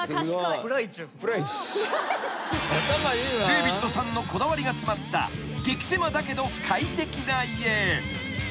［デービッドさんのこだわりが詰まった激せまだけど快適な家］